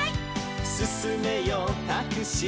「すすめよタクシー」